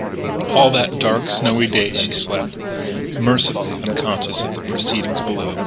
All that dark, snowy day she slept, mercifully unconscious of the proceedings below.